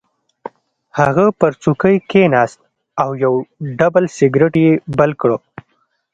هغه پر څوکۍ کېناست او یو ډبل سګرټ یې بل کړ